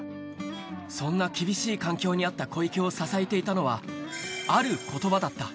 そんな厳しい環境にあった小池を支えていたのは、あることばだった。